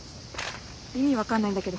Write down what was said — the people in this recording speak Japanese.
意味分かんないんだけど。